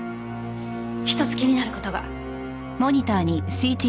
１つ気になる事が。